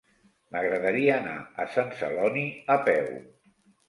M'agradaria anar a Sant Celoni a peu.